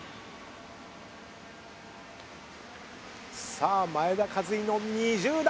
さあ前田和威の２０段。